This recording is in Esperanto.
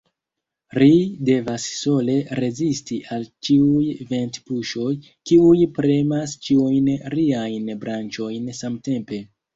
Ri devas sole rezisti al ĉiuj ventpuŝoj, kiuj premas ĉiujn riajn branĉojn samtempe.